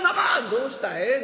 「どうした？ええ？